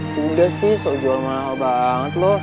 sudah sih sok jual mahal banget lo